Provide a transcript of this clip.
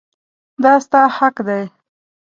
دا ستا حق دی.